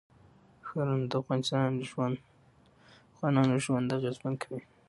ښارونه د افغانانو ژوند اغېزمن کوي.